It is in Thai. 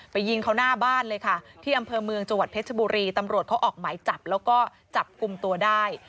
ยิงเขาหน้าบ้านเลยค่ะที่อำเภอเมืองจังหวัดเพชรบุรีตำรวจเขาออกหมายจับแล้วก็จับกลุ่มตัวได้